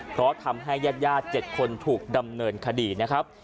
เพราะทำให้ญาติ๗คนถูกดำเนินคดีนะครับ